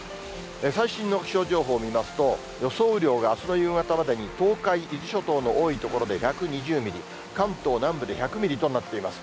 最新の気象情報を見ますと、予想雨量が、あすの夕方までに、東海、伊豆諸島の多い所で１２０ミリ、関東南部で１００ミリとなっています。